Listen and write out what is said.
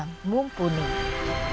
hingga akhirnya diberangkatkan ke sudan